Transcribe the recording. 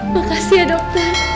makasih ya dokter